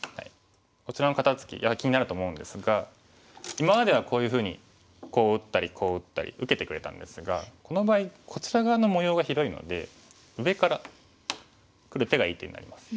こちらの肩ツキやはり気になると思うんですが今まではこういうふうにこう打ったりこう打ったり受けてくれたんですがこの場合こちら側の模様が広いので上からくる手がいい手になります。